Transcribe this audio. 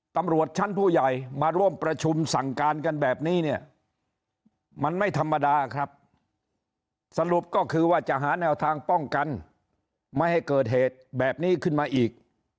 ตำรวจชั้นผู้ใหญ่มาร่วมประชุมสั่งการกันแบบนี้เนี่ยมันไม่ธรรมดาครับสรุปก็คือว่าจะหาแนวทางป้องกันไม่ให้เกิดเหตุแบบนี้ขึ้นมาอีก